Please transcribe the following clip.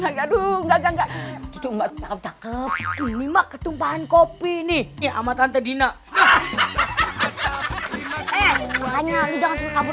lagi aduh enggak enggak cuma takut ini mah ketumpahan kopi nih ama tante dina